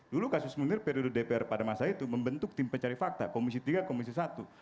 dulu kasus munir periode dpr pada masa itu membentuk tim pencari fakta komisi tiga komisi satu